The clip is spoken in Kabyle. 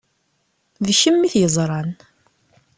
D kemm i t-yeṛẓan.